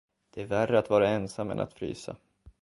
Det är värre att vara ensam än att frysa.